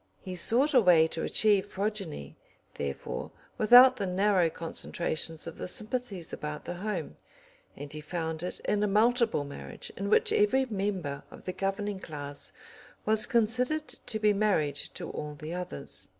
He sought a way to achieve progeny, therefore, without the narrow concentration of the sympathies about the home, and he found it in a multiple marriage in which every member of the governing class was considered to be married to all the others.